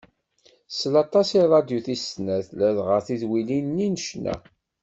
Tsell aṭas i radyu tis snat, ladɣa tidwilin-nni n ccna.